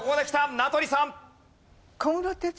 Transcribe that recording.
名取さん！